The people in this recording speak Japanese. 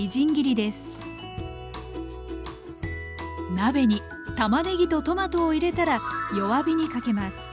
鍋にたまねぎとトマトを入れたら弱火にかけます。